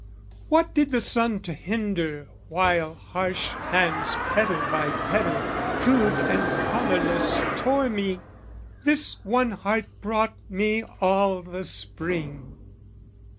What did the sun to hinder while harsh hands Petal by petal, crude and colourless, Tore me? This one heart brought me all the Spring!